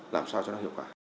làm sao cho nó hiệu quả